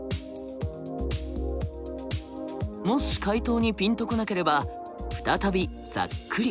もし回答にピンと来なければ再びざっくり。